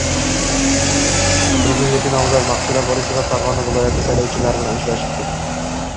Prezidentlikka nomzod Maqsuda Vorisova Farg‘ona viloyati saylovchilari bilan uchrashdi